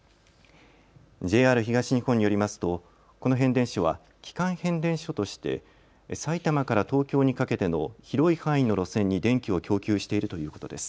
ＪＲ東日本によりますとこの変電所は基幹変電所として埼玉から東京にかけての広い範囲の路線に電気を供給しているということです。